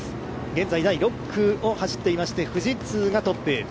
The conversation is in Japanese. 現在第６区を走っていまして、富士通がトップ。